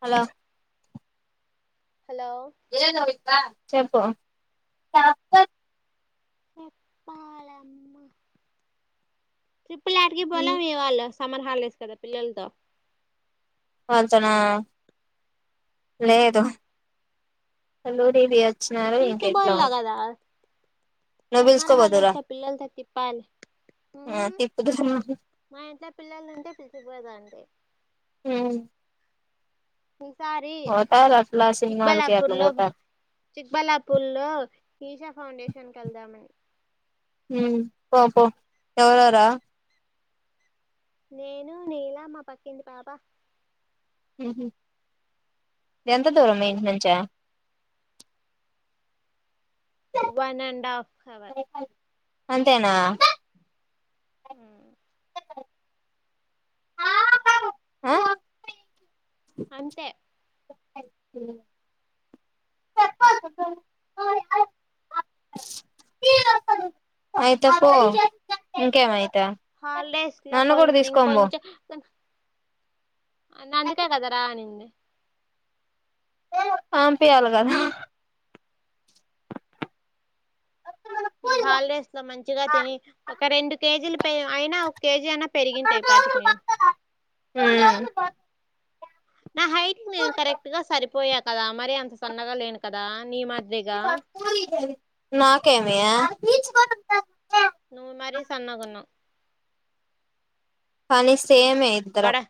Hello hello ఏంది Monica చెప్పు చెప్పాలమ్మ ట్రిప్పుల్ యాటికి పోలే మీ వాళ్ళు సమ్మర్ హాల్డేస్ కదా పిల్లల్ తో వాల్తోనా లేదు హలో [unintelligible] పీచు బల్లా గదా నువ్వు సమ్మర్ పిలుచుకోపోదురా హాలిడేస్ లో పిల్లల్తో తిప్పాలి మ్మ్ తిప్పుదురా మా ఇంట్లో పిల్లలు ఉంటే పిలుచుకుపోయేదాన్ని. ఈసారి పోతారు అట్లా సినిమాలకి చిక్బల్లాపూర్ అట్లా లో పోతారు చిక్బలాపూర్ లో ఈషా ఫౌండేషన్కి వెళ్దామని ఉమ్ పో పో ఎవరెవరా నేను నీలా మా పక్కింటి పాప మ్మ్ హు ఎంత దూరం మీయింటి నుంచా వన్ అండ్ ఆఫ్ హవర్ అంతేనా ఊ అంతే ఆ అయితే పో ఇంకేమి హాలిడేస్ లో కొన్ని పో కొంచం అందుకే కదా రా అనింది ఎల్లు పంపియాలి కదా ఈ హాలిడేస్ లో మంచిగా తిని ఒక రెండు కేజీలు అయినా ఒక కేజీ అయినా పెరిగింటా ఈ పాటికి నేను మ్మ్ నా హైట్ నేను కరెక్ట్ గా సరిపోయా కదా మరి అంత సన్నగా లేను కదా నీ మధ్య నాకేం [inaudible] నువ్ మరీ సన్నగున్నవ్ పన్ చూస్ బడా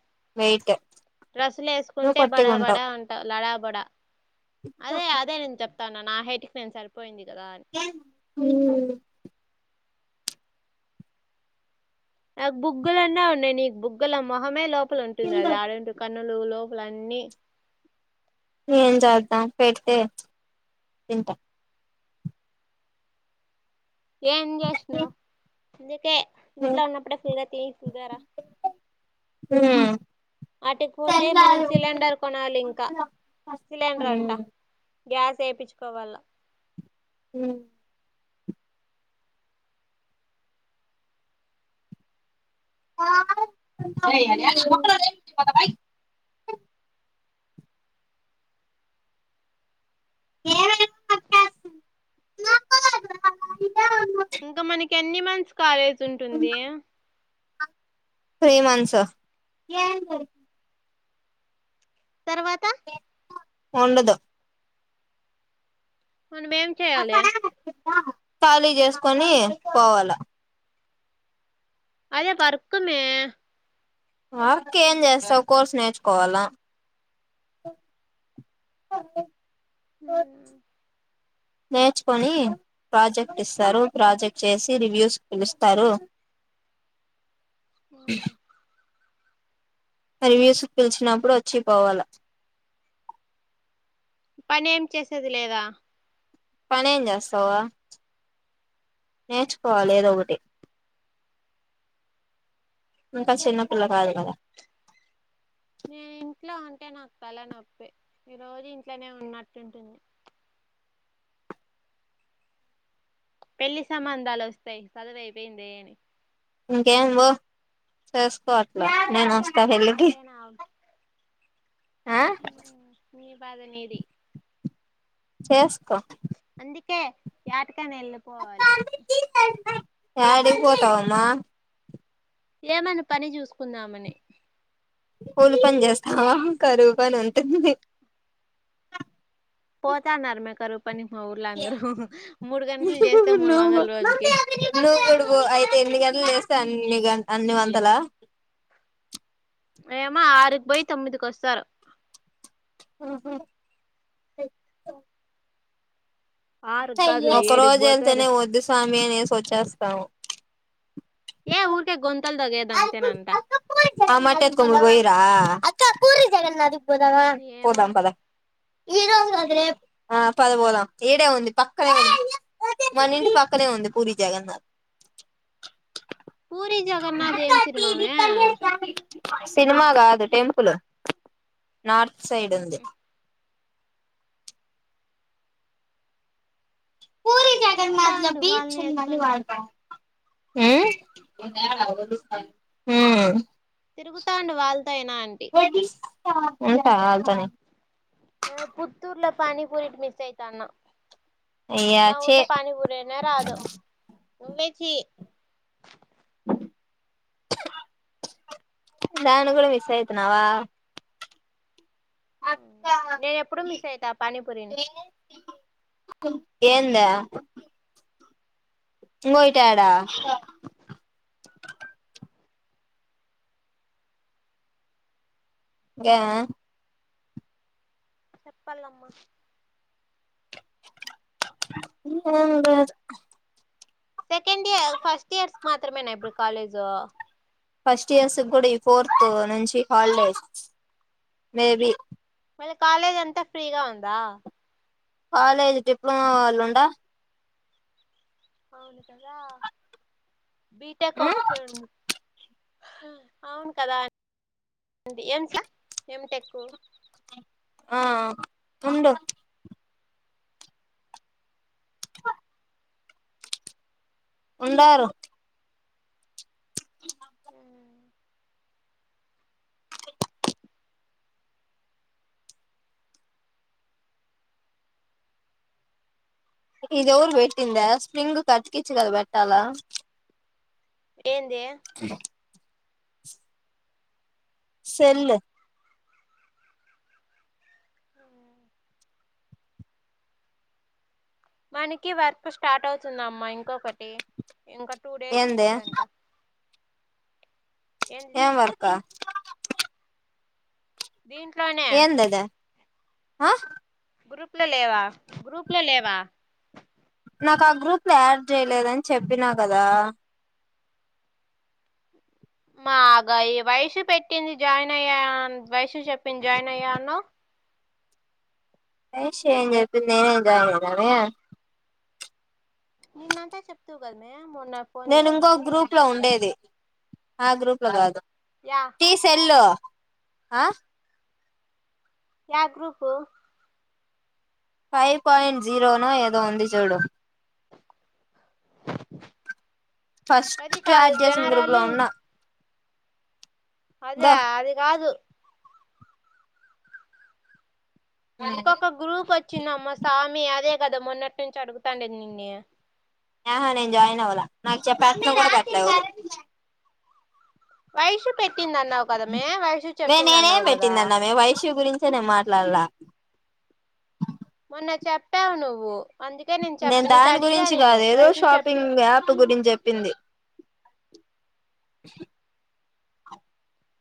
డ్రస్సులు నువ్వు వేసుకుంటే బడా బడా పొట్టిగుంటావ్ అంటావు లడా బడా అదే అదే నేను చెప్ నా హేటికి నేను సరిపోయింది కదా అని మ్మ్ నాకు బుగ్గలన్నా ఉన్నాయి నీకు బుగ్గల మొహమే లేవ్ ఉంటేనే అది ఆరెంజ్ [unintelligible] లోపలన్నీ ఏం చేద్దాం పెడితే తింటాం ఏం చేసినవ్ అందుకే ఇంట్లో ఉన్నప్పుడే ఫుల్గా తి తిన్నారా ఆటికి పోతే మనం మ్మ్ సిలిండర్ కొనాలి ఇంక సిలిండర్ అంతా గ్యాస్ వేపించుకోవాల మ్మ్ [inaudible] ఏమైంది ఇప్ ఇంకా మనకి ఎన్ని మంత్స్ కాలేజ్ ఉంటుంది త్రీ మంత్స్ తర్వాత ఉండదు మనమేం చేయాలి ఖాళీ చేసుకొని పోవాలా అదే వర్క్ మే వర్క్ ఏం చేస్తావు కోర్సు నేర్చుకోవాలా కోర్సు నేర్చుకొని ప్రాజెక్ట్ ఇస్తారు ప్రాజెక్ట్ చేసి రివ్యూస్ కి పిలుస్తారు హ్మ్మ్ మరి వయూసుఫ్ పిలిచినప్పుడు వచ్చి పోవాలి పని ఏం చేసేది లేదా పని ఏం చేస్తావా నేర్చుకోవాలి ఏదో ఒకటి ఇంకా చిన్న పల్ల కాదు కదా నేను ఇంట్లో ఉంటే నాకు తలనొప్పి ఈ రోజు ఇంట్లోనే ఉన్నట్టుంటుంది పెళ్లి సంబంధాలు వస్తాయి్ చదువ అయిపోయింది ఏని ఇంకేం చేసుకో నేను వస్తా పెళ్ళికి హమ్ మి పదనేది చేసుకో అందుకే జటకం వెళ్ళిపోవాలి యాడికి పోతవంమ్మ ఏమనా పని చూసుకుందామని పూలు పని చేస్తా కరువు పని ఉంటుంది పోత నర్మే కరు ప్పని మా ఊర్ళ అందరూ మూడు గంటలు చేస్తే నువ్వు మూడు వందల రోజుకి నువ్వు కూడా పో అయితే ఎన్ని గంటలు లేస్తే అన్ని గంట అన్ని వందల ఏమో ఆరుకి పోయి తొమ్మిదికిస్తరు ఆహా ఆరుకి కాదులే ఏడుకి ఒకరోజు పోతారు వెళ్తేనే వద్దు స మానేసి వచ్చేస్తాము ఏ ఊర్క గొం ఆ మట్ట ఎత్కు పోయిరా పూరి జగన్నాథ్ రా ఏమో పోదాం పదా ఈ పద పోద ఈడే ఉంది పక్కనే ఉంది మన ఇంటి పక్కనే ఉంది పూరి జగన్నాథ్ పూరి జగన్నాథ్ ఏం సినిమమే సినిమా కాదు టెంపుల్ నార్త్ సైడ్ంది పూరి జగన్నాథ్ లో తిరుగుతాండు బీచ్ వాళ్ళని వేసుకొని ఉందినమాట అ తిరుగుతాండి వాళ్ళతో అయినా అంటీ ఉంటా అళ్తనే ఆ పుత్తూర్ల పనిపరిట్ మిస్ అయితాన్న అయ్యా మా చే ఊర్లో పానీ పూరీనే రాదు నువ్వే చే నను కూడా మిస్ అయతున్నావా హు నేను ఎప్పుడు మిస్ అయితా పానీపూరిని ఏందా మోయి టడా గ చెప్పల్లమ్మా ఏం లేదు సెకండ్ ఇయర్ ఫస్ట్ ఇయర్స్ మాత్రమేనా ఇబ్బుడు కాలేజు ఫస్ట్ ఇయర్స్ కి కూడ ఈ ఫోర్త్ నుంచి హాలిడేస్ మేబి మల్లి కాలేజ్ అంతా ఫ్రీగా ఉందా కాలేజ్ డిప్లొమ వాళ్ళు ఉండ అవును కదా బీటెక్ ఒక్ టె ఉన్ అవును కదా డి ఏంచ ఎంటెక్కు ఆ ఉండు ఉండారు ఉ ఇదియెవరు పెట్టిందా స్ప్రింగ్ కి అతికిచ్చి కదా పెట్టాల ఏంది సెల్ మనకి వర్క్ స్టార్ట్ అవుతుందమ్మ ఇంకొకటి ఇంక టూ డేస్ ఏంది నుంచి అంట ఏంది ఏం చెప్పుకో వర్క్ దీంట్లోనె ఏందది ఆ గ్రూప్ లో లేవా గ్రూప్ లో లేవా నాకు ఆ గ్రూప్ లొ యాడ్ చేయలేదని చెప్పినా కదా మాగా ఈ వైషూ పెట్టింది జాయిన్ అయ్యా వైషూ చెప్పింది జాయిన్ అయ్యా అన్నావ్ వైషూ ఏం చెప్పింది నేనేమ్ జాయిన్ అయినానె నిన్నంతా చెప్తివిగద మే నేను ఇంగొ గ్రూప్ లొ ఉండేది ఆ గ్రూప్ లొ గాదు యా తీ సెల్లు ఆ యా గ్రూపు ఫైవ్ పాయింట్ జీరోనో ఏదో ఉంది చూడు ఫస్ట్ అది కాదు క్లాస్ చేసిన గ్రూప్ జనరల్ లొ ఉన్నా అదా అది కాదు దో ఇంకొక గ్రూప్ వచ్చిందమ్మ సామి అదే కద మొన్నటి నుంచి అడుగుతాండేది నిన్ని ఆహా నేను జాయిన్ అవ్వల నాకు చెప్పలే నువ్వు కూడా పెట్టలా ఎవరు వైషూ పెట్ పెట్టింది అన్నావు కదా మే వైషు చెప్పింది అన్నావు గదా చే నేను మాట్లాడలా మొన్న చెప్పావు నువ్వు అందుకే చెప్ప నేను నీతో దాని అడిగా గురించి నేను గాదు ఏదో వయసు చెప్పి షాపింగ్ యాప్ గురించి చెప్పింది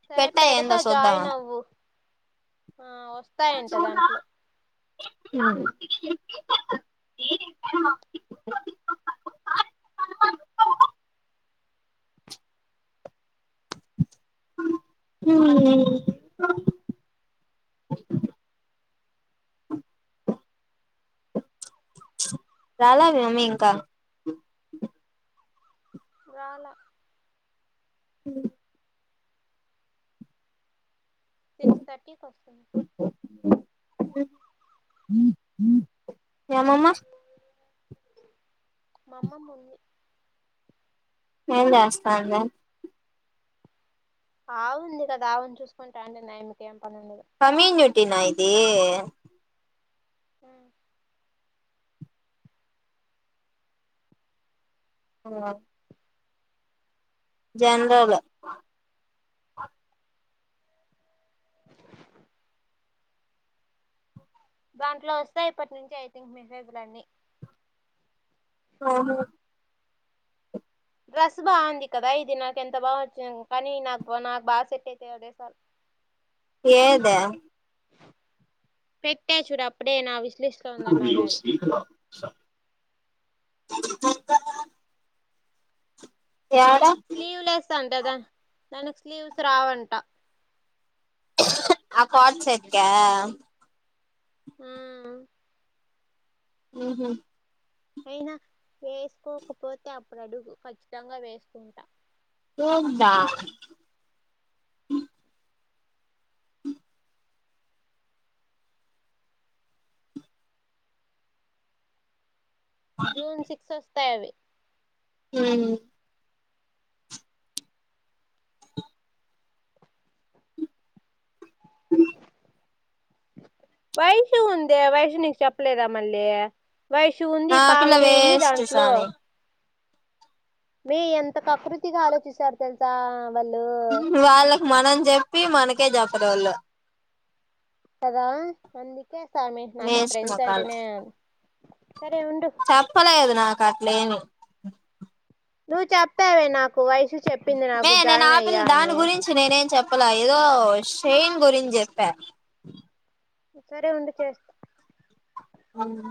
సరే పెట్టా పెడతా ఏందో జాయిన్ చూద్దామా అవ్వు ఆ వస్తాయంట దాంట్లో [inaudible] [unintelligible] రాలా మీ మమ్మీ ఇంకా రాలా హ్మ్ సిక్స్ థర్టీకి వస్తుంది ఎమమ్మా మా అమ్మమ్మ మా ఊరికి ఏం చేస్తాండావ్ ఆవు ఉంది కదా ఆవును చూసుకుంటా ఉంటుంది ఆయిమ్మికేం సమీన్ జూ టీ నా ఇదీ హ్మ్ ఆ జన్రల్ దాంట్లో వస్తాయ్ ఇప్పటి నుంచి ఐథింక్ మెసేజ్ లన్ని ఓహో డ్రస్ బాగుంది కదా ఇది నాకు ఎంతబా నచ్చింది, కానీ నాక్ బ నాకు బాగా సెట్ అయితే అదే సాల్. యేదా పెట్టా చూడు అప్పుడే నావి యాడ స్లీవ్ లెస్ అంటదా దానికి స్లీవ్స్ రావంట ఆ కాట్ సెట్ క్యా హ్మ్ మ్మ్ హ్మ్ అయినా వేసుకోకపోతే అప్పుడు అడుగు ఖచ్చితంగా వేసుకుంటా పోగ్దా జూన్ సిక్సస్ తైవి హ్మ్ వైషు ఉందే వైషు నీకు చెప్పలేదా మళ్ళీ వైషు ఉంది ఆ పిల్ల పావని ఉంది వేస్ట్ దాంట్లో సామి మీ ఎంత కకృతిగా ఆలోచిస్తారు తెలుసా వాళ్ళు హ్మ్ వాళ్ళకి మనం జెప్పి మనక్ కే జేప్పరోల్లు కదా అందుక్ కే సామి నాకు వేస్ట్ ఫ్రెండ్స్ మొకాలు అంటేనే సరే ఉండు చెప్పలేదు నాకా లేను నువ్వు చప్పావే నాకు వయసు చెప్పింది మే నాకు నేనా జాయిన్ పిల్ల అయ్యా దాని అని గురించి నేనేం చెప్పలా ఏదో షైన్ గురించి జెప్ప సరే ఉండు చేస్తా హ్మ్